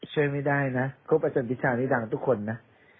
ช่วยไม่ได้นะเพราะประจำติศาลนี้ดังทุกคนนะ